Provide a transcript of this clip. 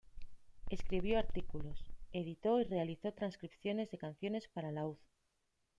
Escribió artículos, editó y realizó transcripciones de canciones para laúd.